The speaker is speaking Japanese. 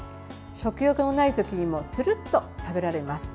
食欲のない時にもツルッと食べられます。